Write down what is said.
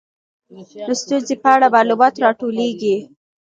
د ستونزې په اړه معلومات راټولیږي.